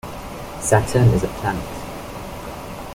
Saturn is a planet.